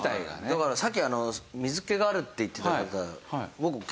だからさっき水気があるって言ってた方。